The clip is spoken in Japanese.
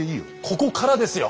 ここからですよ！